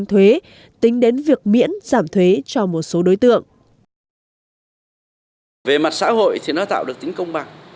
thì nó tạo được tính công bằng